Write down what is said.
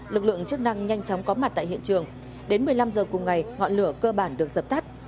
lực lượng chức năng nhanh chóng có mặt tại hiện trường đến một mươi năm h cùng ngày ngọn lửa cơ bản được dập tắt